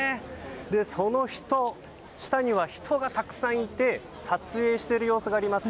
その下には人がたくさんいて撮影している様子があります。